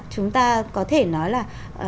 chúng ta có thể nói là